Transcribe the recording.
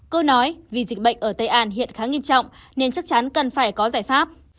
cô nói vì dịch bệnh ở tây an hiện khá nghiêm trọng nên chắc chắn cần phải có giải pháp